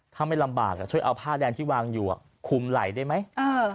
ถ้าไม่ลำบากช่วยเอาผ้าแดงที่วางอยู่คุมไหล่ได้ไหม